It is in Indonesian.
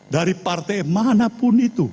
dari partai manapun itu